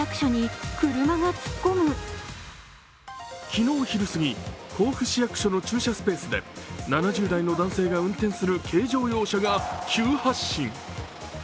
昨日、昼過ぎ、甲府市役所の駐車スペースで７０代の男性が運転する軽乗用車が急発進。